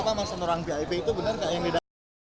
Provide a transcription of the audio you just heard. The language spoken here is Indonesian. bapak mas orang bip itu benar kayak yang